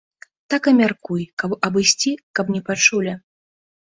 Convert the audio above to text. Так і мяркуй, каб абысці, каб не пачулі.